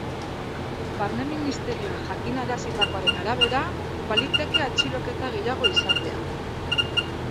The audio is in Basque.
Barne ministerioak jakinarazitakoaren arabera, baliteke atxiloketa gehiago izatea.